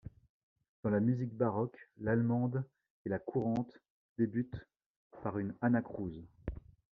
Dans la musique baroque, l'allemande et la courante débutent par une anacrouse.